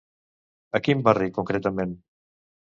A quin barri, concretament?